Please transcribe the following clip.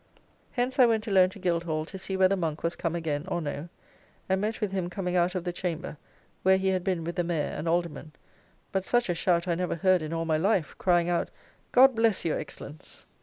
Hence I went alone to Guildhall to see whether Monk was come again or no, and met with him coming out of the chamber where he had been with the Mayor and Aldermen, but such a shout I never heard in all my life, crying out, "God bless your Excellence."